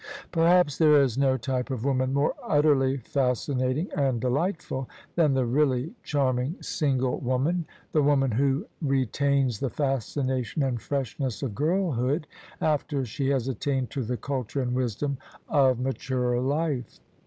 Perhaps there is no type of woman more utterly fascinat ing and delightful than the really charming single woman THE SUBJECTION — ^e woman who retains the fascination and freshness of girlhood after she has attained to the culture and wisdom of maturer life.